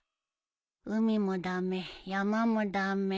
海も駄目山も駄目。